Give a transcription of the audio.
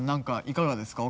いかがですか？